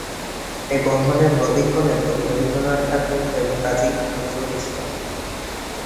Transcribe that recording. এই বন্ধনের প্রতীক হলেন কবি রবীন্দ্রনাথ ঠাকুর এবং কবি কাজী নজরুল ইসলাম।